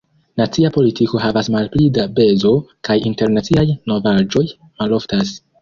Nacia politiko havas malpli da pezo kaj internaciaj novaĵoj maloftas.